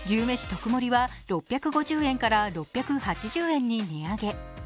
特盛は６５０円から６８０円に値上げ。